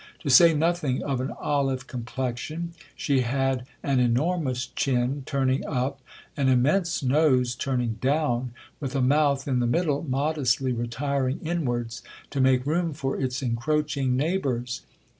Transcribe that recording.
To say nothing of an olive complexion, she had an enor mous chin turning up, an immense nose turning down, with a mouth in the middle, modestly retiring inwards, to make room for its encroaching neigh bours.